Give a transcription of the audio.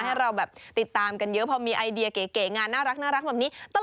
ให้เราแบบติดตามกันเยอะพอมีไอเดียเก๋งานน่ารักแบบนี้